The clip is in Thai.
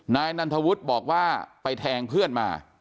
นายนันทวุฒิบอกว่าไปแทงเพื่อนมา